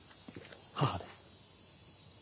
母です。